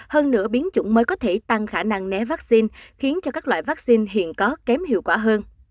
hơn nữa biến chủng mới có thể tăng khả năng né vaccine khiến cho các loại vaccine hiện có kém hiệu quả hơn